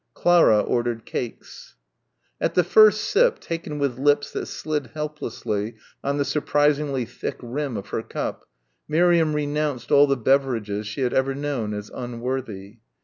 Clara ordered cakes. At the first sip, taken with lips that slid helplessly on the surprisingly thick rim of her cup Miriam renounced all the beverages she had ever known as unworthy.